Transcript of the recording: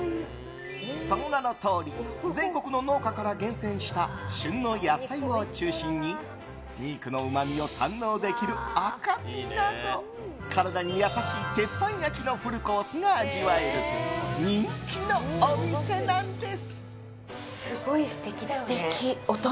その名のとおり、全国の農家から厳選した旬の野菜を中心に肉のうまみを堪能できる赤身など体に優しい鉄板焼きのフルコースが味わえる人気のお店なんです。